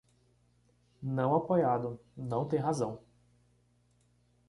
Não apoiado, não tem razão.